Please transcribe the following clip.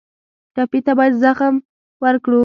ټپي ته باید زغم ورکړو.